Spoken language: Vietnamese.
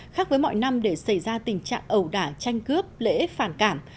khác với mọi năm để xảy ra tình trạng ẩu đả tranh cướp lễ phản cảm